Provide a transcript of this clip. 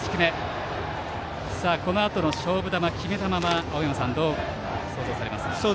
このあとの勝負球決め球は青山さん、どうご想像されますか。